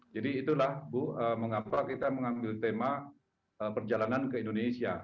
jadi itulah bu mengapa kita mengambil tema perjalanan ke indonesia